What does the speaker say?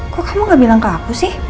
kok kamu gak bilang ke aku sih